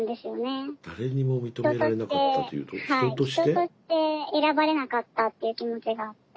人として選ばれなかったという気持ちがあって。